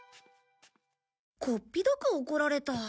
こっぴどく怒られた。